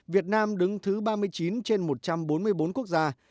việt nam đứng thứ ba mươi chín trên một trăm bốn mươi bốn quốc gia